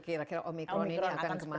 kira kira omikron ini akan kemana